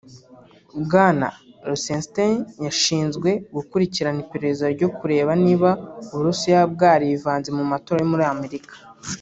Bwana Rosenstein yashinzwe gukurikirana iperereza ryo kureba niba Uburusiya bwarivanze mu matora yo muri Amerika